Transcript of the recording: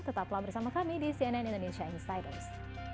tetaplah bersama kami di cnn indonesia insiders